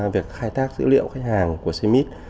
việc khai tác dữ liệu khách hàng của cmit